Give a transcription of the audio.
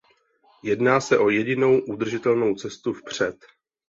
Jedná se o jedinou udržitelnou cestu vpřed.